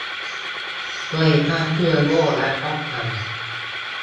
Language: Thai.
ช่วยฆ่าเชื้อโรคและป้องกัน